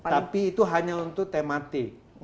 tapi itu hanya untuk tematik